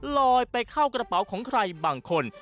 ลอยไปเข้ากระเป๋าของใครบางคน